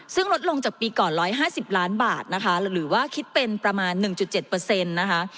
ซึ่งลดลงจากปีก่อน๑๕๐ล้านบาทนะคะหรือว่าคิดเป็นประมาณ๑๗นะคะ